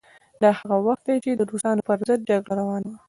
دا هغه وخت و چې د روسانو پر ضد جګړه روانه وه.